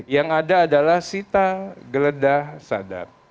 yang ada adalah sita geledah sadap